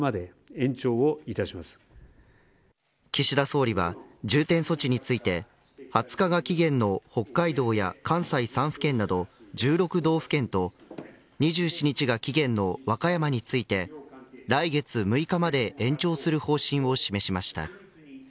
岸田総理は重点措置について２０日が期限の北海道や関西３府県など１６道府県と２７日が期限の和歌山について来月６日まで延長する方針を示しました。